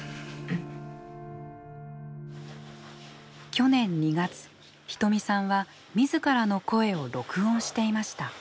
去年２月仁美さんは自らの声を録音していました。